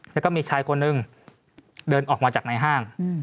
แล้วก็มีชายคนหนึ่งเดินออกมาจากในห้าง